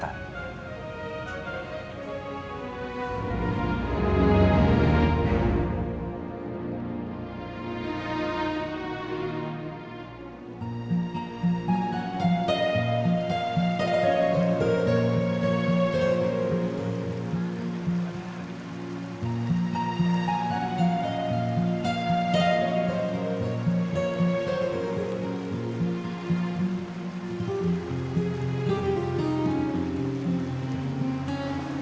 dan untuk memperoleh